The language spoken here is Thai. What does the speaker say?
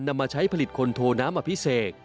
นำมาใช้ผลิตคนโทน้ำอภิเษก